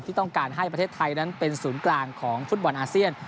ที่ต้องการให้ประเทศไทยนั้นเป็นศูนย์กลางของฟุตบอลอาเซียน